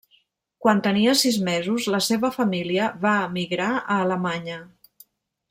Quan tenia sis mesos, la seva família va emigrar a Alemanya.